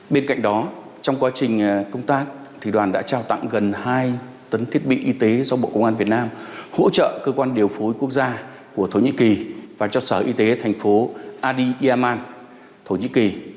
bên cạnh đó trong quá trình công tác đoàn đã trao tặng gần hai tấn thiết bị y tế do bộ công an việt nam hỗ trợ cơ quan điều phối quốc gia của thổ nhĩ kỳ và cho sở y tế thành phố ady yaman thổ nhĩ kỳ